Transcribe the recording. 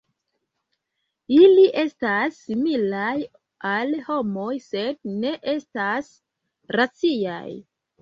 Ili estas similaj al homoj, sed ne estas raciaj.